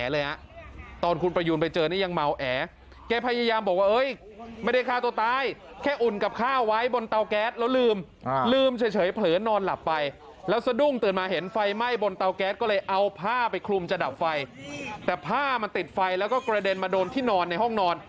แล้วก็กระเด็นมาโดนที่นอนในห้องนอน